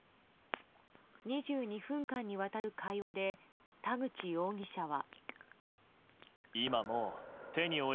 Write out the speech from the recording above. ２２分間にわたる会話で田口容疑者は。